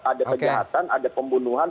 ada kejahatan ada pembunuhan